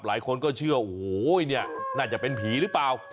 หลายคนก็เชื่อโอ้โหเนี่ยน่าจะเป็นผีหรือเปล่า